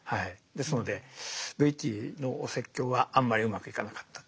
ですのでベイティーのお説教はあんまりうまくいかなかった。